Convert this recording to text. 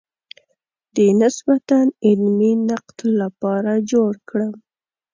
د نسبتاً علمي نقد لپاره جوړ کړم.